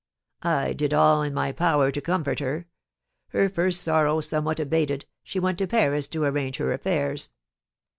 I did all in my power to comfort her. Her first sorrow somewhat abated, she went to Paris to arrange her affairs.